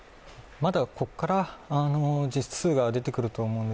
まだここから実数が出てくると思うんです。